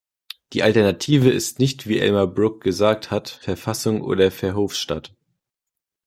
Die Alternative ist nicht wie Elmar Brok gesagt hat Verfassung oder Verhofstadt.